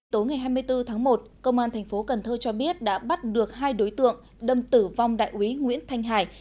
tối ngày hai mươi bốn tháng một công an thành phố cần thơ cho biết đã bắt được hai đối tượng đâm tử vong đại úy nguyễn thanh hải